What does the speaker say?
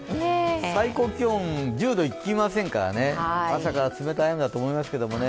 最高気温、１０度いきませんから、朝から冷たい雨だと思いますけどね。